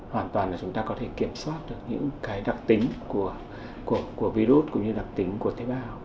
hoàn toàn là chúng ta có thể kiểm soát được những cái đặc tính của virus cũng như đặc tính của tế bào